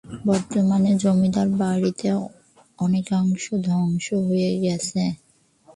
বর্তমানে জমিদার বাড়ির অনেকাংশ ধ্বংস হয়ে গেছে।